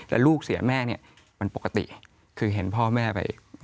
แล้วลูกเสียแม่เนี่ยมันปกติคือเห็นพ่อแม่ไป